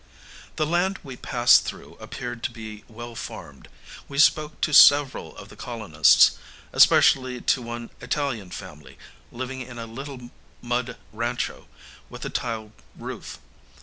The land we passed through appeared to be well farmed. We spoke to several of the colonists, especially to one Italian family, living in a little mud rancho with a tile roof.